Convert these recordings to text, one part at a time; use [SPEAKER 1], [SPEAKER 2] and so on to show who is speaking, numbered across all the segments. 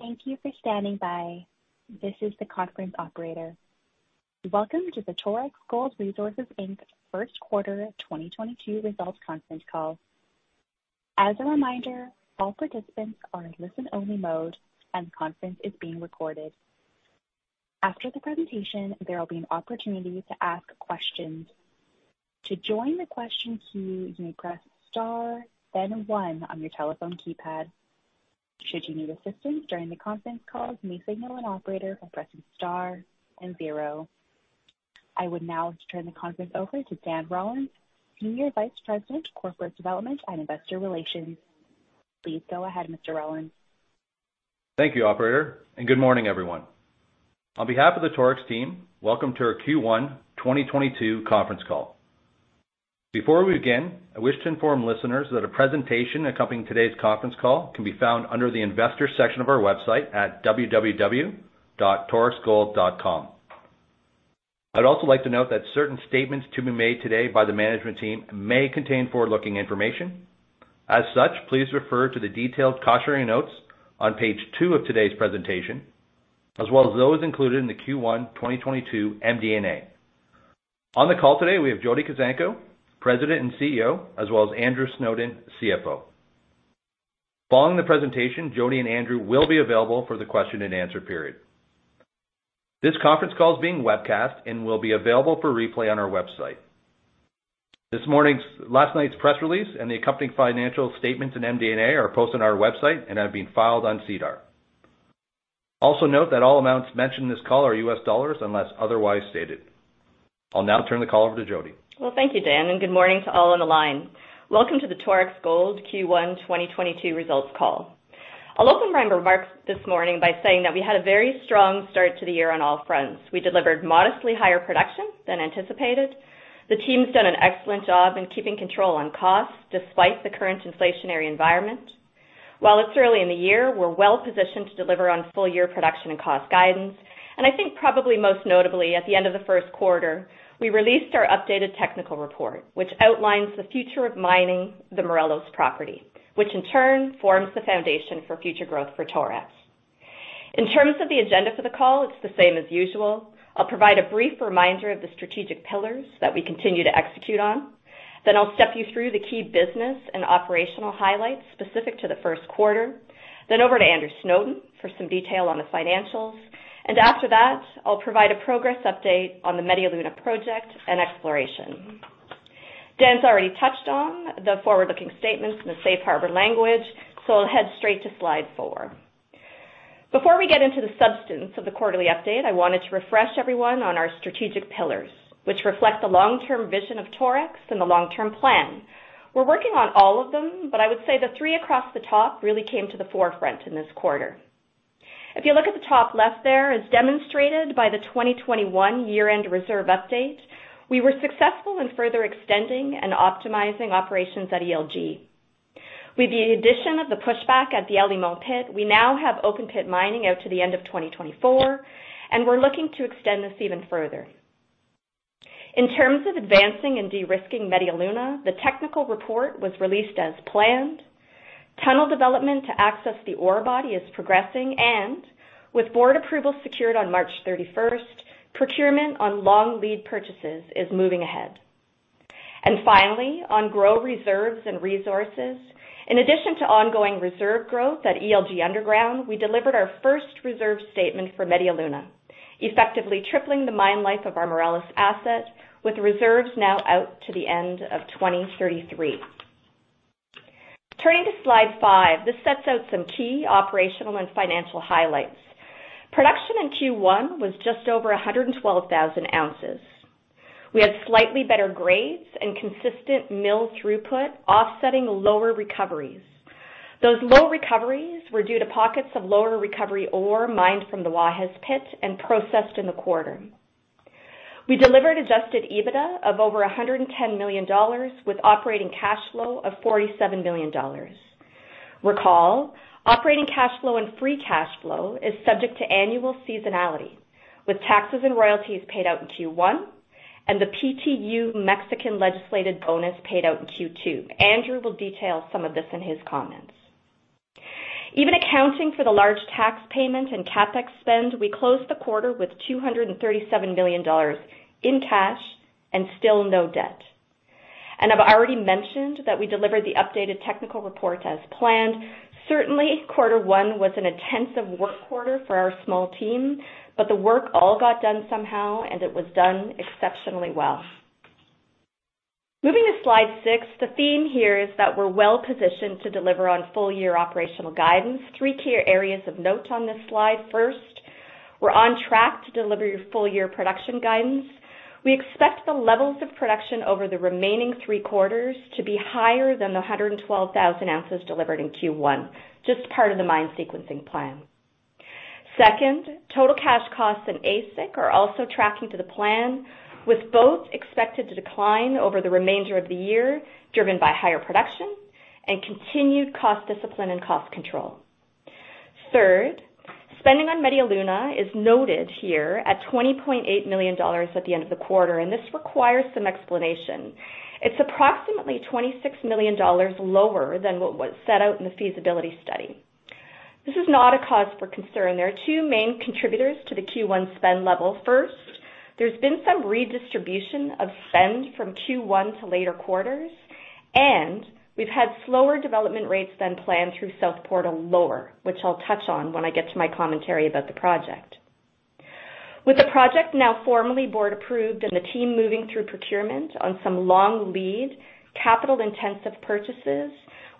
[SPEAKER 1] Thank you for standing by. This is the conference operator. Welcome to the Torex Gold Resources Inc. first quarter 2022 results conference call. As a reminder, all participants are in listen-only mode, and the conference is being recorded. After the presentation, there will be an opportunity to ask questions. To join the question queue, you may press star then one on your telephone keypad. Should you need assistance during the conference call, you may signal an operator by pressing star and zero. I would now like to turn the conference over to Dan Rollins, Senior Vice President, Corporate Development & Investor Relations. Please go ahead, Mr. Rollins.
[SPEAKER 2] Thank you, operator, and good morning, everyone. On behalf of the Torex team, welcome to our Q1 2022 conference call. Before we begin, I wish to inform listeners that a presentation accompanying today's conference call can be found under the investor section of our website at www.torexgold.com. I'd also like to note that certain statements to be made today by the management team may contain forward-looking information. As such, please refer to the detailed cautionary notes on page two of today's presentation, as well as those included in the Q1 2022 MD&A. On the call today, we have Jody Kuzenko, President and CEO, as well as Andrew Snowden, CFO. Following the presentation, Jody and Andrew will be available for the question and answer period. This conference call is being webcast and will be available for replay on our website. Last night's press release and the accompanying financial statements and MD&A are posted on our website and have been filed on SEDAR. Also note that all amounts mentioned in this call are US dollars unless otherwise stated. I'll now turn the call over to Jody.
[SPEAKER 3] Well, thank you, Dan, and good morning to all on the line. Welcome to the Torex Gold Q1 2022 results call. I'll open my remarks this morning by saying that we had a very strong start to the year on all fronts. We delivered modestly higher production than anticipated. The team's done an excellent job in keeping control on costs despite the current inflationary environment. While it's early in the year, we're well-positioned to deliver on full-year production and cost guidance. I think probably most notably at the end of the first quarter, we released our updated technical report, which outlines the future of mining the Morelos Property, which in turn forms the foundation for future growth for Torex. In terms of the agenda for the call, it's the same as usual. I'll provide a brief reminder of the strategic pillars that we continue to execute on. I'll step you through the key business and operational highlights specific to the first quarter. Over to Andrew Snowden for some detail on the financials. After that, I'll provide a progress update on the Media Luna project and exploration. Dan's already touched on the forward-looking statements and the safe harbor language. We'll head straight to slide four. Before we get into the substance of the quarterly update, I wanted to refresh everyone on our strategic pillars, which reflect the long-term vision of Torex and the long-term plan. We're working on all of them, but I would say the three across the top really came to the forefront in this quarter. If you look at the top left there, as demonstrated by the 2021 year-end reserve update, we were successful in further extending and optimizing operations at ELG. With the addition of the pushback at the El Limón pit, we now have open pit mining out to the end of 2024, and we're looking to extend this even further. In terms of advancing and de-risking Media Luna, the technical report was released as planned. Tunnel development to access the ore body is progressing, and with board approval secured on March 31st, procurement on long lead purchases is moving ahead. Finally, on growing reserves and resources, in addition to ongoing reserve growth at ELG underground, we delivered our first reserve statement for Media Luna, effectively tripling the mine life of our Morelos asset, with reserves now out to the end of 2033. Turning to slide five, this sets out some key operational and financial highlights. Production in Q1 was just over 112,000 oz. We had slightly better grades and consistent mill throughput offsetting lower recoveries. Those low recoveries were due to pockets of lower recovery ore mined from the Guajes Pit and processed in the quarter. We delivered adjusted EBITDA of over $110 million with operating cash flow of $47 million. Recall, operating cash flow and free cash flow is subject to annual seasonality, with taxes and royalties paid out in Q1 and the PTU Mexican legislated bonus paid out in Q2. Andrew will detail some of this in his comments. Even accounting for the large tax payment and CapEx spend, we closed the quarter with $237 million in cash and still no debt. I've already mentioned that we delivered the updated technical report as planned. Certainly, quarter one was an intensive work quarter for our small team, but the work all got done somehow, and it was done exceptionally well. Moving to slide six, the theme here is that we're well-positioned to deliver on full-year operational guidance. Three key areas of note on this slide. First, we're on track to deliver your full-year production guidance. We expect the levels of production over the remaining three quarters to be higher than the 112,000 oz delivered in Q1, just part of the mine sequencing plan. Second, total cash costs in AISC are also tracking to the plan, with both expected to decline over the remainder of the year, driven by higher production and continued cost discipline and cost control. Third, spending on Media Luna is noted here at $20.8 million at the end of the quarter, and this requires some explanation. It's approximately $26 million lower than what was set out in the feasibility study. This is not a cause for concern. There are two main contributors to the Q1 spend level. First, there's been some redistribution of spend from Q1 to later quarters, and we've had slower development rates than planned through South Portal Lower, which I'll touch on when I get to my commentary about the project. With the project now formally board approved and the team moving through procurement on some long lead capital-intensive purchases,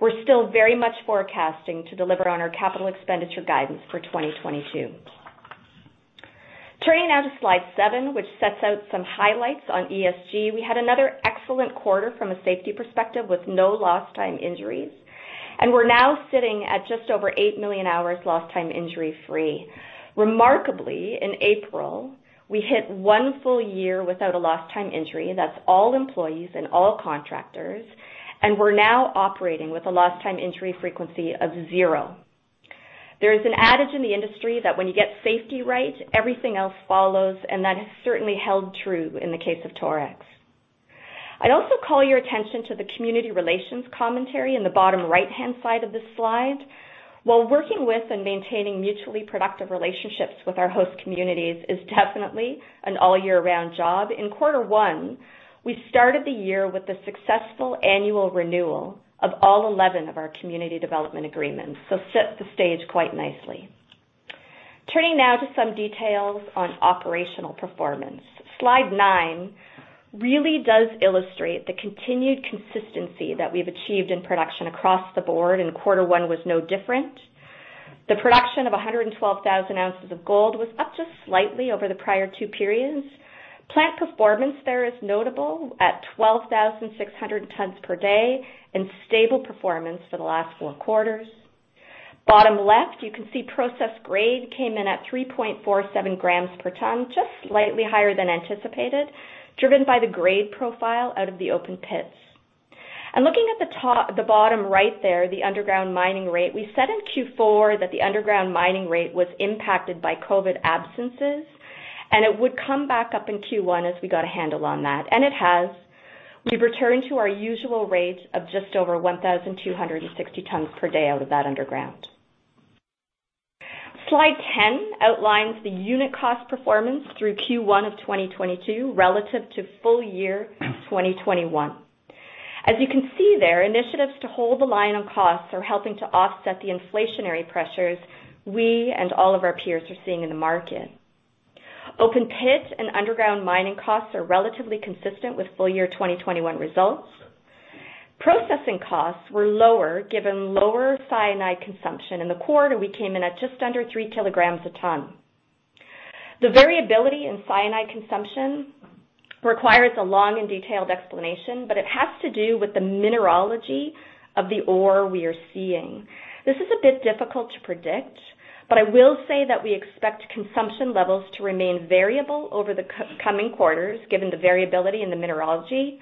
[SPEAKER 3] we're still very much forecasting to deliver on our capital expenditure guidance for 2022. Turning now to slide seven, which sets out some highlights on ESG. We had another excellent quarter from a safety perspective with no lost time injuries, and we're now sitting at just over 8 million hours lost time injury-free. Remarkably, in April, we hit one full year without a lost time injury. That's all employees and all contractors, and we're now operating with a lost time injury frequency of zero. There is an adage in the industry that when you get safety right, everything else follows, and that has certainly held true in the case of Torex. I'd also call your attention to the community relations commentary in the bottom right-hand side of this slide. While working with and maintaining mutually productive relationships with our host communities is definitely an all year-round job. In quarter one, we started the year with the successful annual renewal of all eleven of our community development agreements, so set the stage quite nicely. Turning now to some details on operational performance. Slide nine really does illustrate the continued consistency that we've achieved in production across the board, and quarter one was no different. The production of 112,000 oz of gold was up just slightly over the prior two periods. Plant performance there is notable at 12,600 tons per day and stable performance for the last four quarters. Bottom left, you can see process grade came in at 3.47 g per ton, just slightly higher than anticipated, driven by the grade profile out of the open pits. Looking at the bottom right there, the underground mining rate. We said in Q4 that the underground mining rate was impacted by COVID absences, and it would come back up in Q1 as we got a handle on that, and it has. We've returned to our usual rates of just over 1,260 tons per day out of that underground. Slide 10 outlines the unit cost performance through Q1 of 2022 relative to full year 2021. As you can see there, initiatives to hold the line on costs are helping to offset the inflationary pressures we and all of our peers are seeing in the market. Open pit and underground mining costs are relatively consistent with full year 2021 results. Processing costs were lower, given lower cyanide consumption. In the quarter, we came in at just under 3 kg a ton. The variability in cyanide consumption requires a long and detailed explanation, but it has to do with the mineralogy of the ore we are seeing. This is a bit difficult to predict, but I will say that we expect consumption levels to remain variable over the coming quarters, given the variability in the mineralogy,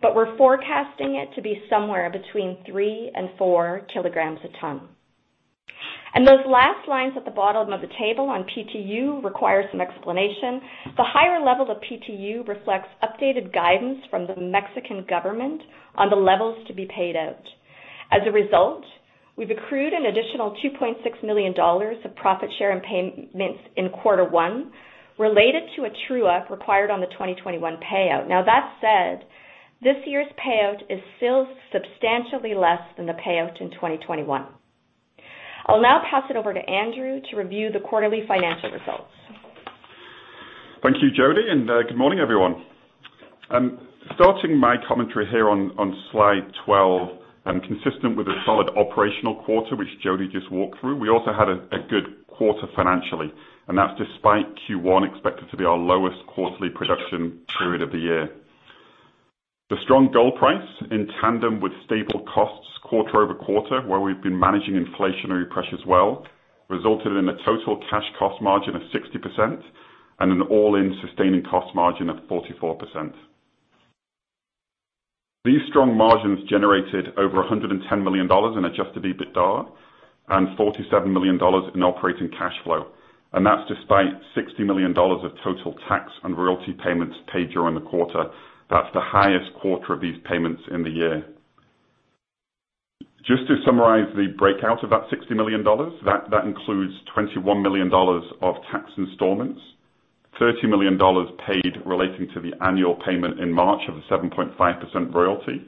[SPEAKER 3] but we're forecasting it to be somewhere between 3 kg and 4 kg a ton. Those last lines at the bottom of the table on PTU require some explanation. The higher level of PTU reflects updated guidance from the Mexican government on the levels to be paid out. As a result, we've accrued an additional $2.6 million of profit share and payments in quarter one related to a true-up required on the 2021 payout. Now, that said, this year's payout is still substantially less than the payout in 2021. I'll now pass it over to Andrew to review the quarterly financial results.
[SPEAKER 4] Thank you, Jody, and good morning, everyone. Starting my commentary here on slide 12 and consistent with a solid operational quarter, which Jody just walked through. We also had a good quarter financially, and that's despite Q1 expected to be our lowest quarterly production period of the year. The strong gold price, in tandem with stable costs quarter-over-quarter, where we've been managing inflationary pressures well, resulted in a total cash cost margin of 60% and an all-in sustaining cost margin of 44%. These strong margins generated over $110 million in adjusted EBITDA and $47 million in operating cash flow, and that's despite $60 million of total tax and royalty payments paid during the quarter. That's the highest quarter of these payments in the year. Just to summarize the breakout of that $60 million, that includes $21 million of tax installments, $30 million paid relating to the annual payment in March of a 7.5% royalty,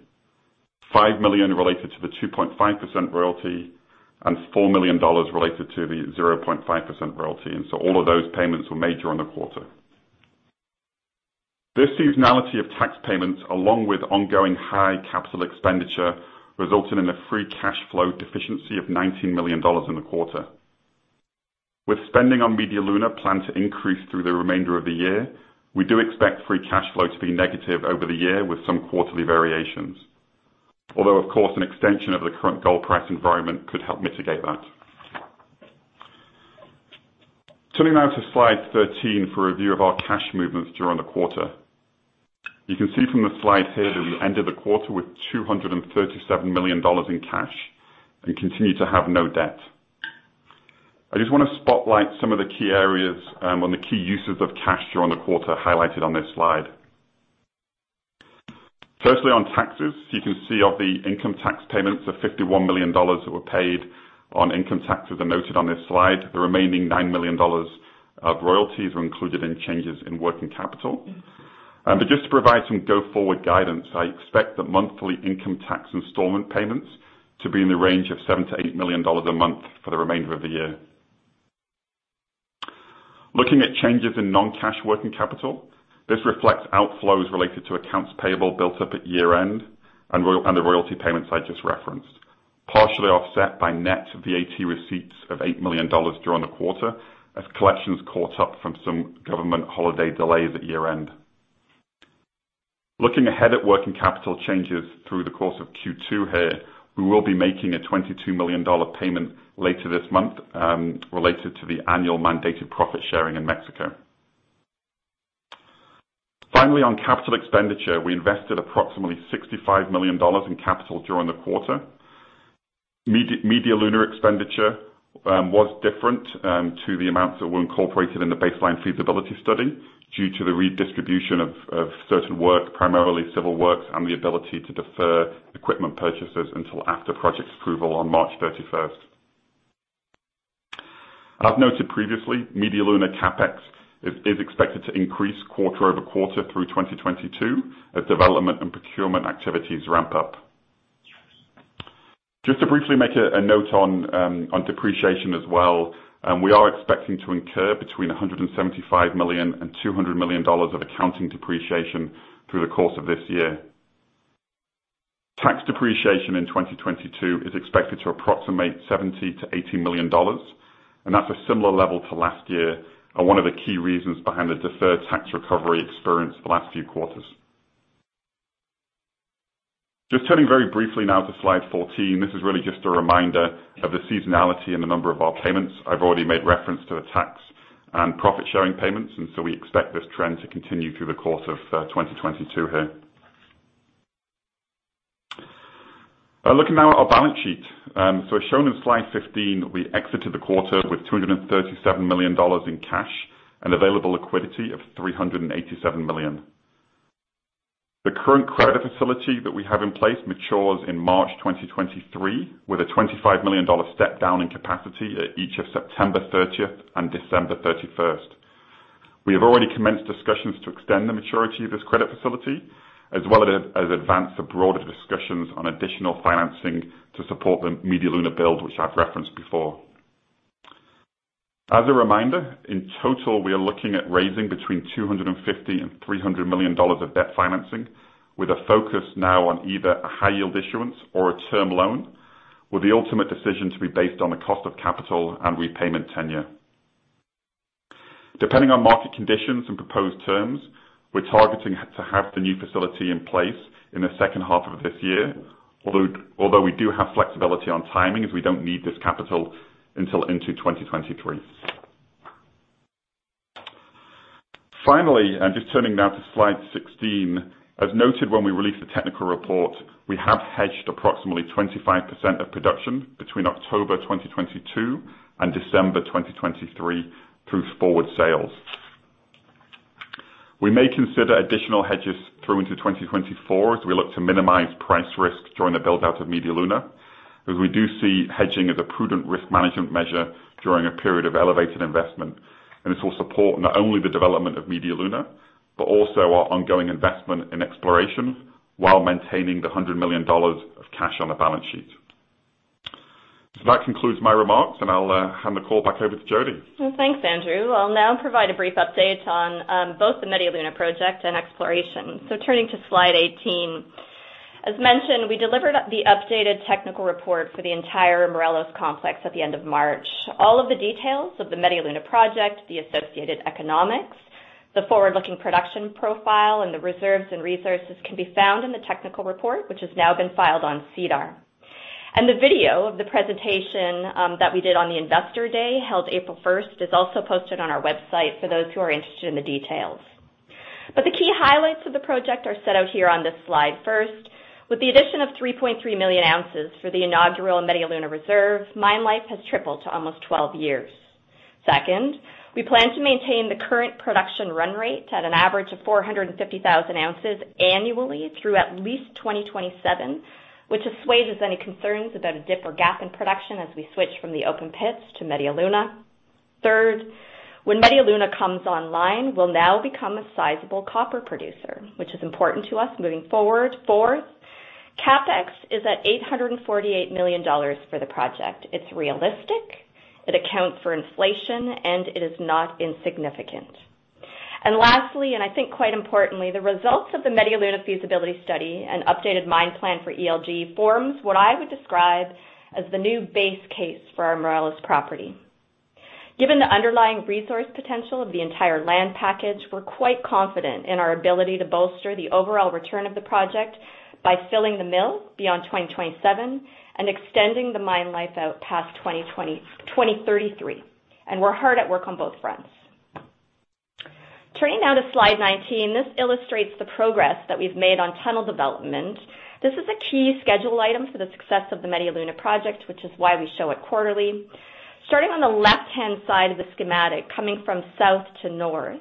[SPEAKER 4] $5 million related to the 2.5% royalty, and $4 million related to the 0.5% royalty, and so all of those payments were made during the quarter. This seasonality of tax payments, along with ongoing high capital expenditure, resulted in a free cash flow deficiency of $19 million in the quarter. With spending on Media Luna planned to increase through the remainder of the year, we do expect free cash flow to be negative over the year with some quarterly variations. Although, of course, an extension of the current gold price environment could help mitigate that. Turning now to slide 13 for review of our cash movements during the quarter. You can see from the slide here that we ended the quarter with $237 million in cash and continue to have no debt. I just wanna spotlight some of the key areas on the key uses of cash during the quarter highlighted on this slide. Firstly, on taxes, you can see that the income tax payments of $51 million that were paid on income taxes are noted on this slide. The remaining $9 million of royalties are included in changes in working capital. Just to provide some go forward guidance, I expect the monthly income tax installment payments to be in the range of $7 million-$8 million a month for the remainder of the year. Looking at changes in non-cash working capital, this reflects outflows related to accounts payable built up at year-end and the royalty payments I just referenced, partially offset by net VAT receipts of $8 million during the quarter as collections caught up from some government holiday delays at year-end. Looking ahead at working capital changes through the course of Q2 here, we will be making a $22 million payment later this month related to the annual mandated profit sharing in Mexico. Finally, on capital expenditure, we invested approximately $65 million in capital during the quarter. Media Luna expenditure was different to the amounts that were incorporated in the baseline feasibility study due to the redistribution of certain work, primarily civil works and the ability to defer equipment purchases until after project approval on March 31st. As noted previously, Media Luna CapEx is expected to increase quarter over quarter through 2022 as development and procurement activities ramp up. Just to briefly make a note on depreciation as well, we are expecting to incur between $175 million and $200 million of accounting depreciation through the course of this year. Tax depreciation in 2022 is expected to approximate $70 million-$80 million, and that's a similar level to last year and one of the key reasons behind the deferred tax recovery experienced the last few quarters. Just turning very briefly now to slide 14. This is really just a reminder of the seasonality in a number of our payments. I've already made reference to the tax and profit-sharing payments, and we expect this trend to continue through the course of 2022 here. Looking now at our balance sheet. So as shown in slide 15, we exited the quarter with $237 million in cash and available liquidity of $387 million. The current credit facility that we have in place matures in March 2023, with a $25 million step down in capacity at each of September 30th and December 31st. We have already commenced discussions to extend the maturity of this credit facility as well as advance the broader discussions on additional financing to support the Media Luna build, which I've referenced before. As a reminder, in total, we are looking at raising between $250 million and $300 million of debt financing, with a focus now on either a high yield issuance or a term loan, with the ultimate decision to be based on the cost of capital and repayment tenure. Depending on market conditions and proposed terms, we're targeting to have the new facility in place in the second half of this year, although we do have flexibility on timing, as we don't need this capital until into 2023. Finally, just turning now to slide 16. As noted when we released the technical report, we have hedged approximately 25% of production between October 2022 and December 2023 through forward sales. We may consider additional hedges through into 2024 as we look to minimize price risks during the build-out of Media Luna, as we do see hedging as a prudent risk management measure during a period of elevated investment. This will support not only the development of Media Luna, but also our ongoing investment in exploration while maintaining the $100 million of cash on the balance sheet. That concludes my remarks, and I'll hand the call back over to Jody.
[SPEAKER 3] Well, thanks, Andrew. I'll now provide a brief update on both the Media Luna project and exploration. Turning to slide 18. As mentioned, we delivered the updated technical report for the entire Morelos complex at the end of March. All of the details of the Media Luna project, the associated economics, the forward-looking production profile, and the reserves and resources can be found in the technical report, which has now been filed on SEDAR. The video of the presentation that we did on the investor day, held April 1st, is also posted on our website for those who are interested in the details. The key highlights of the project are set out here on this slide. First, with the addition of 3.3 million ounces for the inaugural Media Luna reserve, mine life has tripled to almost 12 years. Second, we plan to maintain the current production run rate at an average of 450,000 oz annually through at least 2027, which assuages any concerns about a dip or gap in production as we switch from the open pits to Media Luna. Third, when Media Luna comes online, we'll now become a sizable copper producer, which is important to us moving forward. Fourth, CapEx is at $848 million for the project. It's realistic, it accounts for inflation, and it is not insignificant. Lastly, and I think quite importantly, the results of the Media Luna feasibility study and updated mine plan for ELG forms what I would describe as the new base case for our Morelos Property. Given the underlying resource potential of the entire land package, we're quite confident in our ability to bolster the overall return of the project by filling the mill beyond 2027 and extending the mine life out past 2033. We're hard at work on both fronts. Turning now to slide 19, this illustrates the progress that we've made on tunnel development. This is a key schedule item for the success of the Media Luna project, which is why we show it quarterly. Starting on the left-hand side of the schematic, coming from south to north,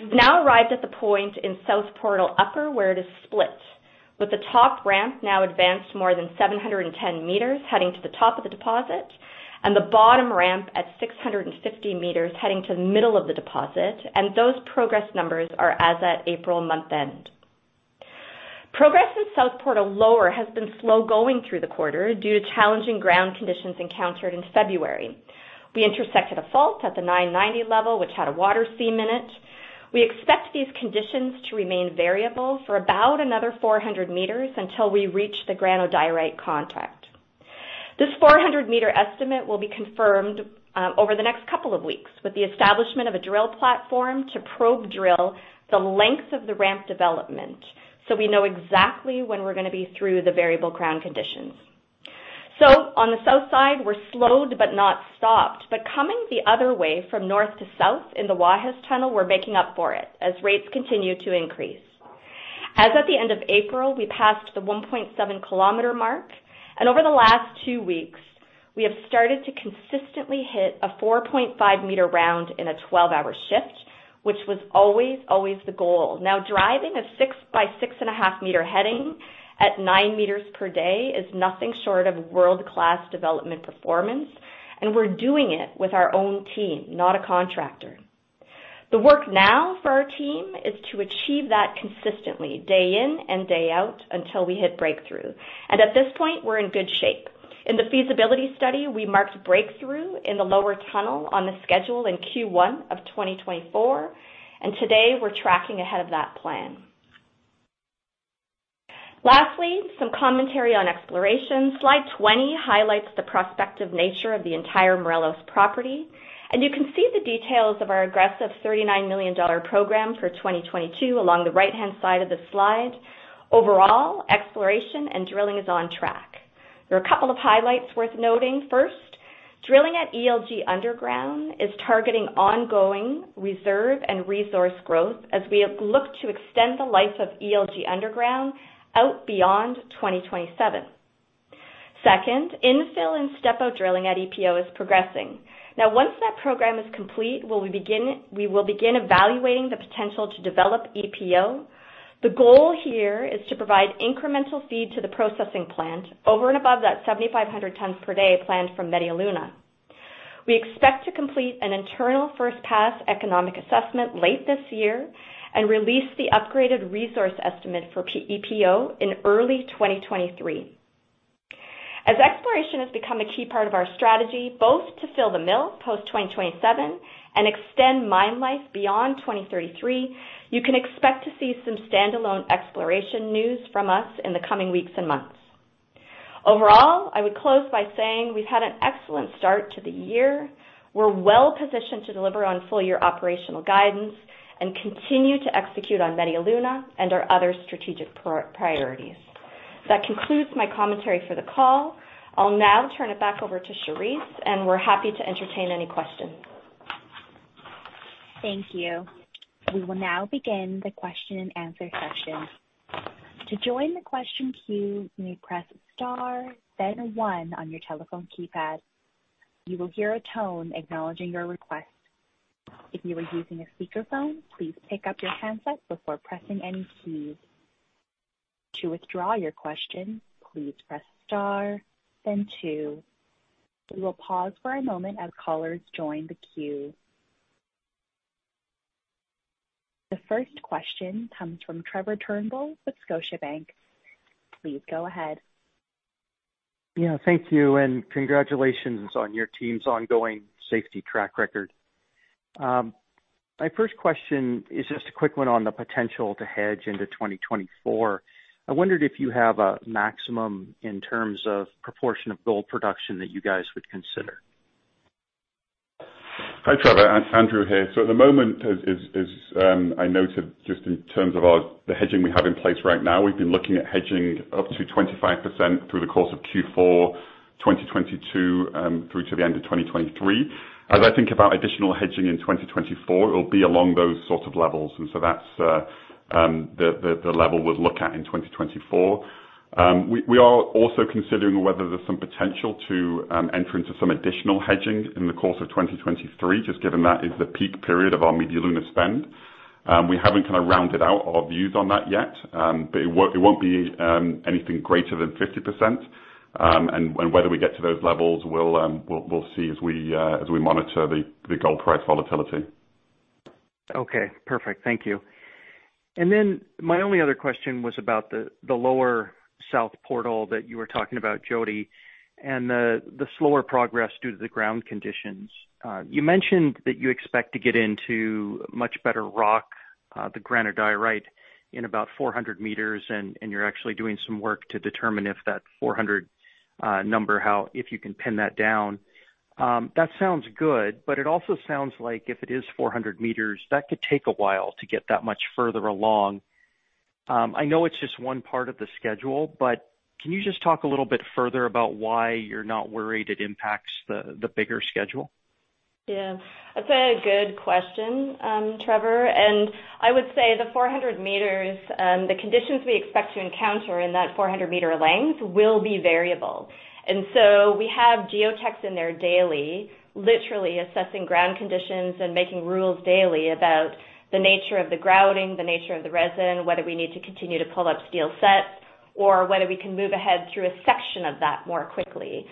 [SPEAKER 3] we've now arrived at the point in South Portal Upper, where it is split, with the top ramp now advanced more than 710 m, heading to the top of the deposit, and the bottom ramp at 650 meters, heading to the middle of the deposit. Those progress numbers are as at April month end. Progress in south portal lower has been slow going through the quarter due to challenging ground conditions encountered in February. We intersected a fault at the 990 level, which had a water seam in it. We expect these conditions to remain variable for about another 400 m until we reach the granodiorite contact. This 400 m estimate will be confirmed over the next couple of weeks with the establishment of a drill platform to probe drill the length of the ramp development, so we know exactly when we're gonna be through the variable ground conditions. On the south side, we're slowed but not stopped. Coming the other way from north to south in the Guajes Tunnel, we're making up for it as rates continue to increase. As at the end of April, we passed the 1.7-km mark, and over the last two weeks, we have started to consistently hit a 4.5-m round in a 12-hour shift, which was always the goal. Now, driving a 6 by 6.5-m heading at 9 m per day is nothing short of world-class development performance, and we're doing it with our own team, not a contractor. The work now for our team is to achieve that consistently day in and day out until we hit breakthrough. At this point, we're in good shape. In the feasibility study, we marked breakthrough in the lower tunnel on the schedule in Q1 of 2024, and today, we're tracking ahead of that plan. Lastly, some commentary on exploration. Slide 20 highlights the prospective nature of the entire Morelos Property, and you can see the details of our aggressive $39 million program for 2022 along the right-hand side of the slide. Overall, exploration and drilling is on track. There are a couple of highlights worth noting. First, drilling at ELG underground is targeting ongoing reserve and resource growth as we look to extend the life of ELG underground out beyond 2027. Second, infill and step-out drilling at EPO is progressing. Now, once that program is complete, we will begin evaluating the potential to develop EPO. The goal here is to provide incremental feed to the processing plant over and above that 7,500 tons per day planned for Media Luna. We expect to complete an internal first pass economic assessment late this year and release the upgraded resource estimate for PEA in early 2023. As exploration has become a key part of our strategy, both to fill the mill post-2027 and extend mine life beyond 2033, you can expect to see some standalone exploration news from us in the coming weeks and months. Overall, I would close by saying we've had an excellent start to the year. We're well positioned to deliver on full-year operational guidance and continue to execute on Media Luna and our other strategic priorities. That concludes my commentary for the call. I'll now turn it back over to Charisse, and we're happy to entertain any questions.
[SPEAKER 1] Thank you. We will now begin the question-and-answer session. To join the question queue, you may press star then one on your telephone keypad. You will hear a tone acknowledging your request. If you are using a speakerphone, please pick up your handset before pressing any keys. To withdraw your question, please press star then two. We will pause for a moment as callers join the queue. The first question comes from Trevor Turnbull with Scotiabank. Please go ahead.
[SPEAKER 5] Yeah, thank you, and congratulations on your team's ongoing safety track record. My first question is just a quick one on the potential to hedge into 2024. I wondered if you have a maximum in terms of proportion of gold production that you guys would consider?
[SPEAKER 4] Hi, Trevor. It's Andrew here. At the moment, as I noted just in terms of our hedging we have in place right now, we've been looking at hedging up to 25% through the course of Q4 2022 through to the end of 2023. As I think about additional hedging in 2024, it'll be along those sorts of levels. That's the level we'll look at in 2024. We are also considering whether there's some potential to enter into some additional hedging in the course of 2023, just given that is the peak period of our Media Luna spend. We haven't kind of rounded out our views on that yet, but it won't be anything greater than 50%. Whether we get to those levels, we'll see as we monitor the gold price volatility.
[SPEAKER 5] Okay. Perfect. Thank you. My only other question was about the lower south portal that you were talking about, Jody, and the slower progress due to the ground conditions. You mentioned that you expect to get into much better rock, the granodiorite in about 400 m, and you're actually doing some work to determine if that 400 number, how if you can pin that down? That sounds good, but it also sounds like if it is 400 m, that could take a while to get that much further along. I know it's just one part of the schedule, but can you just talk a little bit further about why you're not worried it impacts the bigger schedule?
[SPEAKER 3] Yeah. That's a good question, Trevor, and I would say the 400 m, the conditions we expect to encounter in that 400-m length will be variable. We have geotechs in there daily, literally assessing ground conditions and making calls daily about the nature of the grouting, the nature of the resin, whether we need to continue to pull up steel sets or whether we can move ahead through a section of that more quickly.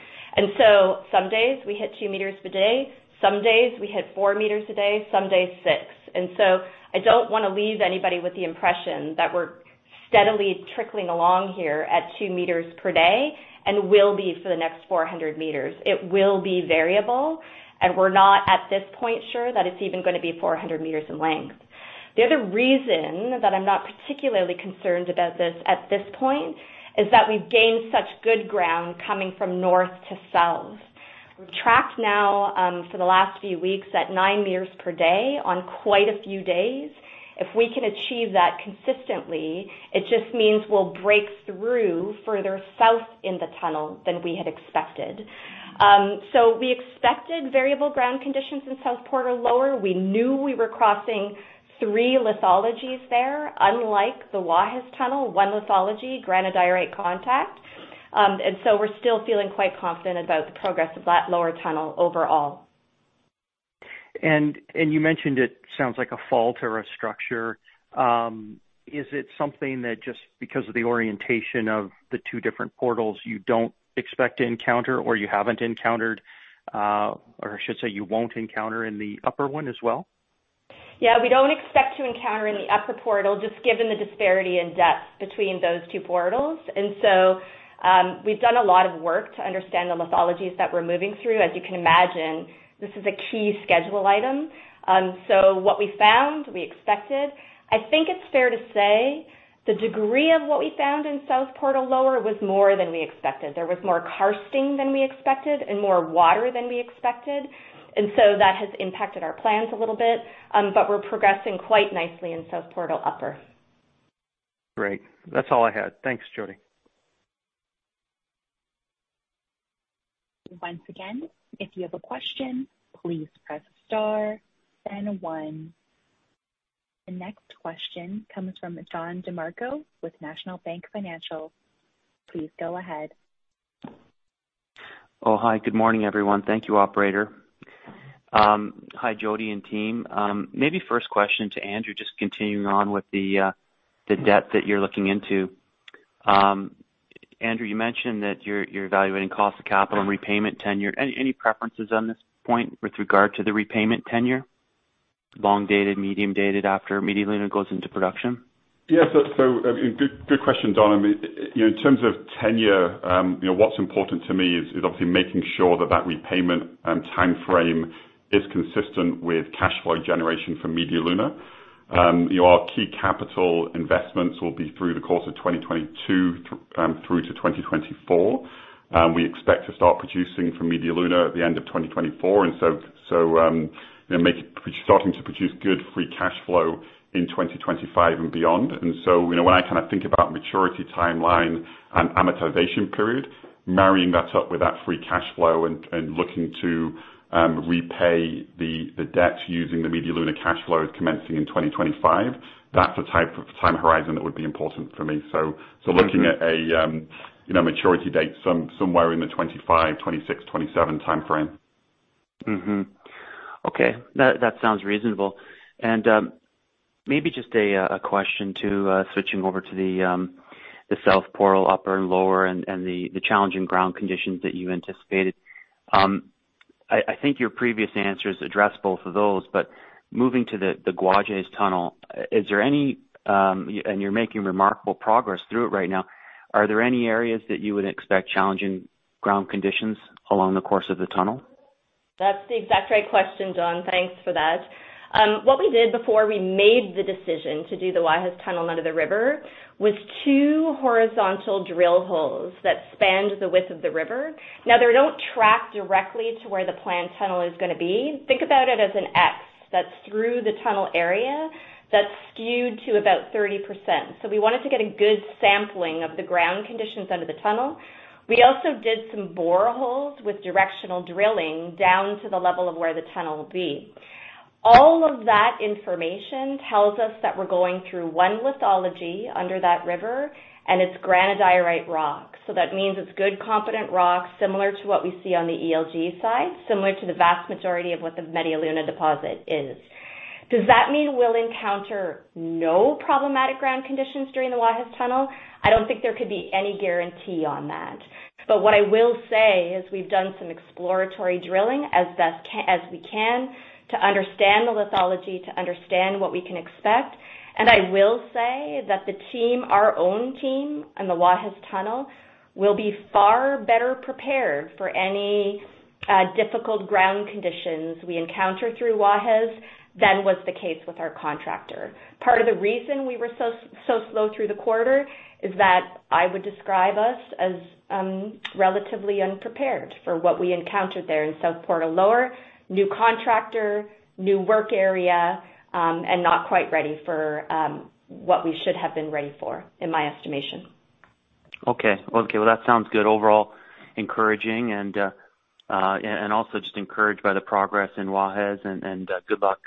[SPEAKER 3] Some days we hit 2 m per day, some days we hit 4 meters a day, some days 6 m. I don't wanna leave anybody with the impression that we're steadily trickling along here at 2 m per day and will be for the next 400 m. It will be variable, and we're not, at this point, sure that it's even gonna be 400 m in length. The other reason that I'm not particularly concerned about this at this point is that we've gained such good ground coming from north to south. We've tracked now, for the last few weeks at 9 meters per day on quite a few days. If we can achieve that consistently, it just means we'll break through further south in the tunnel than we had expected. We expected variable ground conditions in South Portal Lower. We knew we were crossing three lithologies there, unlike the Guajes Tunnel, one lithology, granodiorite contact. We're still feeling quite confident about the progress of that lower tunnel overall.
[SPEAKER 5] You mentioned it sounds like a fault or a structure. Is it something that, just because of the orientation of the two different portals, you don't expect to encounter or you haven't encountered, or I should say you won't encounter in the upper one as well?
[SPEAKER 3] Yeah. We don't expect to encounter in the upper portal, just given the disparity in depth between those two portals. We've done a lot of work to understand the lithologies that we're moving through. As you can imagine, this is a key schedule item. What we found, we expected. I think it's fair to say the degree of what we found in South Portal Lower was more than we expected. There was more karsting than we expected and more water than we expected, and so that has impacted our plans a little bit. We're progressing quite nicely in South Portal Upper.
[SPEAKER 5] Great. That's all I had. Thanks, Jody.
[SPEAKER 1] Once again, if you have a question, please press star then one. The next question comes from Don DeMarco with National Bank Financial. Please go ahead.
[SPEAKER 6] Hi. Good morning, everyone. Thank you, operator. Hi, Jody and team. Maybe first question to Andrew, just continuing on with the debt that you're looking into. Andrew, you mentioned that you're evaluating cost of capital and repayment tenure. Any preferences on this point with regard to the repayment tenure, long dated, medium dated after Media Luna goes into production?
[SPEAKER 4] Yeah. I mean, good question, Don. I mean, you know, in terms of tenor, you know, what's important to me is obviously making sure that repayment timeframe is consistent with cash flow generation from Media Luna. You know, our key capital investments will be through the course of 2022 through to 2024. We expect to start producing from Media Luna at the end of 2024. You know, starting to produce good free cash flow in 2025 and beyond. You know, when I kinda think about maturity timeline and amortization period, marrying that up with that free cash flow and looking to repay the debt using the Media Luna cash flows commencing in 2025, that's the type of time horizon that would be important for me. Looking at a you know, maturity date somewhere in the 2025, 2026, 2027 timeframe.
[SPEAKER 6] Mmm-hmm. Okay. That sounds reasonable. Maybe just a question switching over to the South Portal Upper and Lower and the challenging ground conditions that you anticipated. I think your previous answers address both of those, but moving to the Guajes Tunnel, is there any. You're making remarkable progress through it right now. Are there any areas that you would expect challenging ground conditions along the course of the tunnel?
[SPEAKER 3] That's the exact right question, Don. Thanks for that. What we did before we made the decision to do the Guajes Tunnel under the river was two horizontal drill holes that spanned the width of the river. Now, they don't track directly to where the planned tunnel is gonna be. Think about it as an X that's through the tunnel area that's skewed to about 30%. We wanted to get a good sampling of the ground conditions under the tunnel. We also did some boreholes with directional drilling down to the level of where the tunnel will be. All of that information tells us that we're going through one lithology under that river, and it's granodiorite rock. That means it's good, competent rock, similar to what we see on the ELG side, similar to the vast majority of what the Media Luna deposit is. Does that mean we'll encounter no problematic ground conditions during the Guajes Tunnel? I don't think there could be any guarantee on that. What I will say is we've done some exploratory drilling as best as we can to understand the lithology, to understand what we can expect. I will say that the team, our own team on the Guajes Tunnel, will be far better prepared for any difficult ground conditions we encounter through Guajes than was the case with our contractor. Part of the reason we were so slow through the quarter is that I would describe us as relatively unprepared for what we encountered there in South Portal Lower. New contractor, new work area, and not quite ready for what we should have been ready for, in my estimation.
[SPEAKER 6] Okay. Well, that sounds good. Overall encouraging and also just encouraged by the progress in Guajes and good luck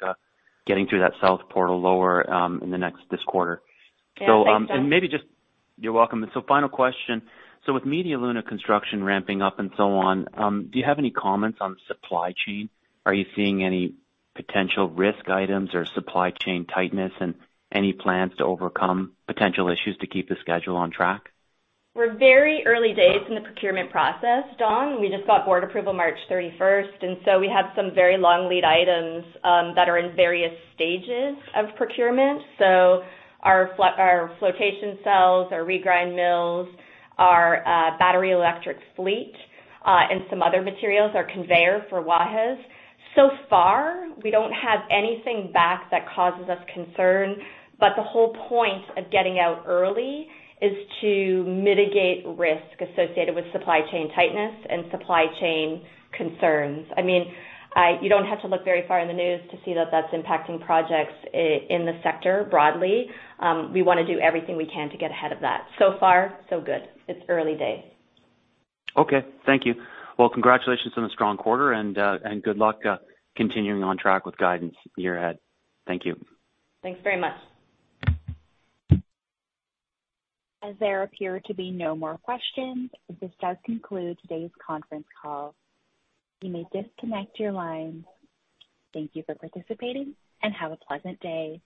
[SPEAKER 6] getting through that South Portal Lower this quarter.
[SPEAKER 3] Yeah. Thanks, Don.
[SPEAKER 6] You're welcome. Final question. With Media Luna construction ramping up and so on, do you have any comments on supply chain? Are you seeing any potential risk items or supply chain tightness and any plans to overcome potential issues to keep the schedule on track?
[SPEAKER 3] We're very early days in the procurement process, Don. We just got board approval March 31st. We have some very long lead items that are in various stages of procurement. Our flotation cells, our regrind mills, our battery electric fleet, and some other materials, our conveyor for Guajes. So far, we don't have anything back that causes us concern, but the whole point of getting out early is to mitigate risk associated with supply chain tightness and supply chain concerns. I mean, you don't have to look very far in the news to see that that's impacting projects in the sector broadly. We wanna do everything we can to get ahead of that. So far, so good. It's early days.
[SPEAKER 6] Okay. Thank you. Well, congratulations on a strong quarter and good luck continuing on track with guidance year ahead. Thank you.
[SPEAKER 3] Thanks very much.
[SPEAKER 1] As there appear to be no more questions, this does conclude today's conference call. You may disconnect your lines. Thank you for participating and have a pleasant day.